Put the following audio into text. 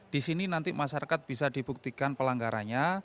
di sini nanti masyarakat bisa dibuktikan pelanggarannya